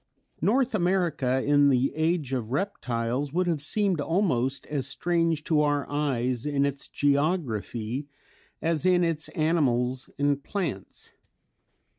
North America in the Age of Reptiles would have seemed almost as strange to our eyes in its geography as in its animals and plants.